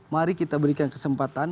mari kita berikan kesempatan